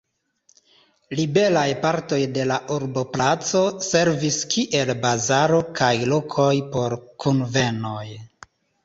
Liberaj partoj de la urboplaco servis kiel bazaro kaj lokoj por kunvenoj.